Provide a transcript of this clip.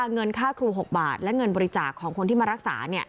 ตั้งแต่โรงพยาบาล๖บาทและเงินบริจาคของคนที่มารักษา